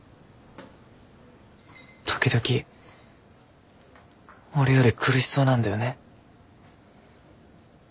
時々俺より苦しそうなんだよね。